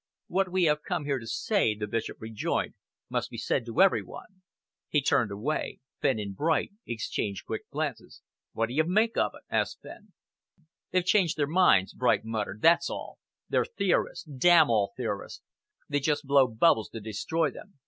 "What we have come here to say," the Bishop rejoined, "must be said to every one." He turned away. Fenn and Bright exchanged quick glances. "What do you make of it?" asked Fenn. "They've changed their minds," Bright muttered, "that's all. They're theorists. Damn all theorists! They just blow bubbles to destroy them.